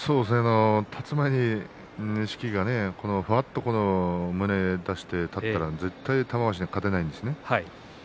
立つ前に錦木がふわっと胸を出して立ったら絶対、玉鷲に勝てないんですね。